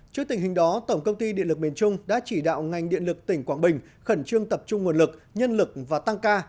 trước tình hình đó tổng công ty điện lực miền trung đã chỉ đạo ngành điện lực tỉnh quảng bình khẩn trương tập trung nguồn lực nhân lực và tăng ca